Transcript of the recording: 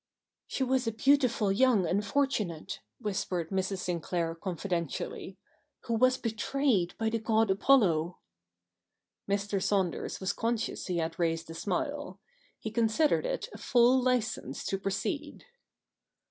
' She was a beautiful young unfortunate,' whispered Mrs. Sinclair confidentially, ' who was betrayed by the god Apollo.' Mr. Saunders was conscious he had raised a smile. He considered it a full licence to proceed.